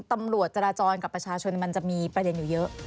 ตำรวจจราจรกับประชาชนมันจะมีประเด็นอยู่เยอะ